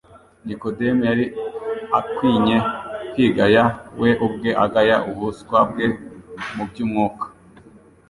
Nikodemu yari akwinye kwigaya we ubwe agaya ubuswa bwe mu by'umwuka.